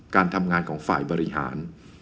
การทำงานของฝ่ายบริหาร